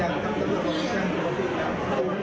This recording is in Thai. ยังไม่มีฝ่ายกล้องในมือครับแต่ว่าก็บอกว่ายังไม่มีฝ่ายกล้อง